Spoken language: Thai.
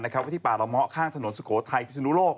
ว่าที่ป่าละเมาะข้างถนนสุโขทัยพิศนุโลก